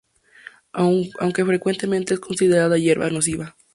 Aunque frecuentemente es considerada hierba nociva.